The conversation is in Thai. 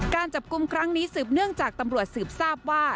การจับกลุ่มครั้งนี้สืบเนื่องจากตำรวจสืบทราบว่า